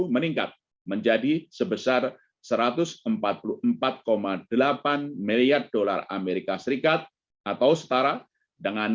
dua ribu dua puluh satu meningkat menjadi sebesar satu ratus empat puluh empat delapan miliar dollar amerika serikat atau setara dengan